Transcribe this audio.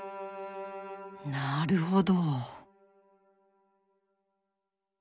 なるほど。